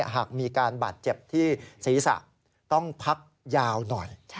หากมีการบาดเจ็บที่ศีรษะต้องพักยาวหน่อย